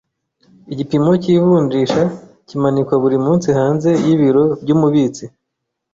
Igipimo cy’ivunjisha kimanikwa buri munsi hanze y’ibiro by’umubitsi.